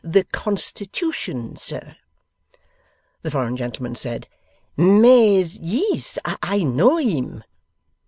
'The Constitution, Sir.' The foreign gentleman said, 'Mais, yees; I know eem.